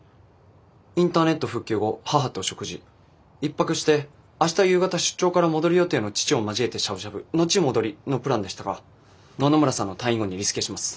インターネット復旧後母と食事１泊して明日夕方出張から戻り予定の父を交えてしゃぶしゃぶのち戻りのプランでしたが野々村さんの退院後にリスケします。